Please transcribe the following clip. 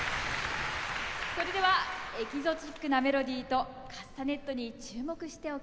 それではエキゾチックなメロディーとカスタネットに注目してお聴きください。